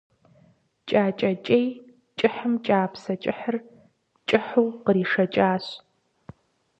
Кӏакӏэ кӏей кӏыхьым кӏапсэ кӏыхьыр кӏыхьу къришэкӏащ.